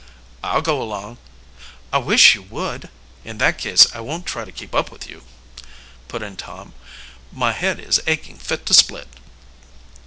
"I'll go along." "I wish you would." "In that case I won't try to keep up with you," put in Tom. "My head is aching fit to split."